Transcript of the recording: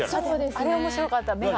あれ面白かった眼鏡。